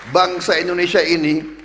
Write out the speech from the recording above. bangsa indonesia ini